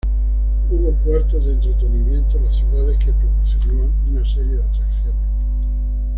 Hubo cuartos de entretenimiento en las ciudades que proporcionaban una serie de atracciones.